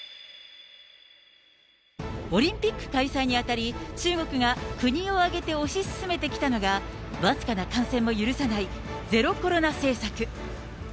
オリンピック開催にあたり、中国が国を挙げて推し進めてきたのが、僅かな感染も許さないゼロ・コロナ政策。